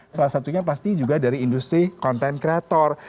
salah satunya pasti juga dari industri konten kreator